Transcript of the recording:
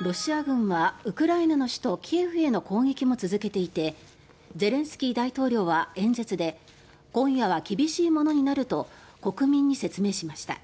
ロシア軍はウクライナの首都キエフへの攻撃も続けていてゼレンスキー大統領は演説で今夜は厳しいものになると国民に説明しました。